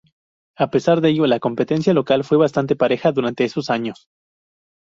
A pesar de ello, la competencia local fue bastante pareja durante esos años.